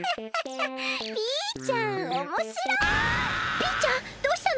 ピーちゃんどうしたの？